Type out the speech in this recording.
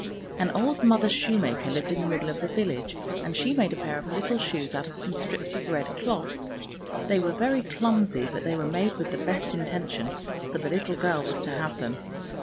An old mother shoemaker lived in the middle of the village, and she made a pair of little shoes out of some strips of red cloth. They were very clumsy, but they were made with the best intention, for the little girl was to have them.